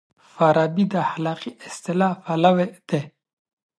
فارابي د اخلاقي اصلاح پلوی دی.